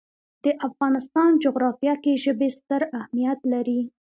د افغانستان جغرافیه کې ژبې ستر اهمیت لري.